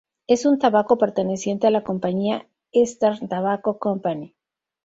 Es un tabaco perteneciente a la compañía Eastern Tobacco Company.